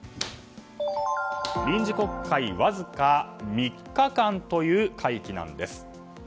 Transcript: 臨時国会、わずか３日間という会期なんです。